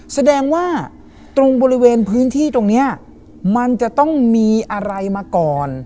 แสดงว่าตรงบริเวณพื้นที่ตรงนี้มันจะต้องมีอะไรมาก่อน